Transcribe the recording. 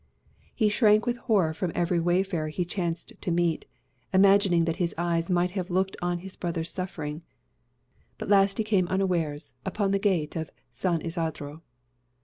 He shrank with horror from every wayfarer he chanced to meet, imagining that his eyes might have looked on his brother's suffering. But at last he came unawares upon the gate of San Isodro.